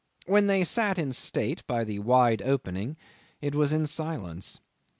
When they sat in state by the wide opening it was in silence.